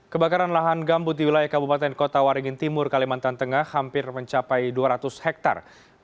kebakaran lahan gambut di wilayah kabupaten kota waringin timur kalimantan tengah hampir mencapai dua ratus hektare